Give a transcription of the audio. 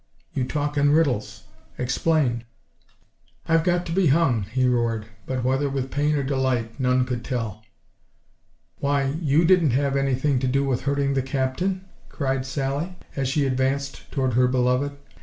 You talk in riddles. Explain." "I've got to be hung!" he roared, but, whether with pain or delight, none could tell. "Why, you didn't have any thing to do with hurting the captain?" cried Sally, as she advanced toward her beloved.